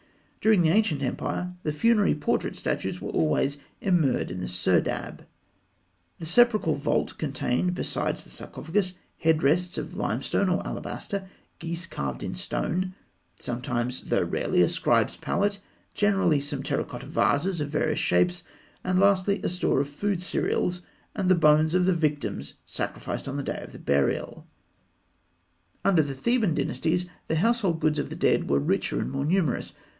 During the Ancient Empire, the funerary portrait statues were always immured in the serdab. The sepulchral vault contained, besides the sarcophagus, head rests of limestone or alabaster; geese carved in stone; sometimes (though rarely) a scribe's palette; generally some terra cotta vases of various shapes: and lastly a store of food cereals, and the bones of the victims sacrificed on the day of burial. Under the Theban Dynasties, the household goods of the dead were richer and more numerous.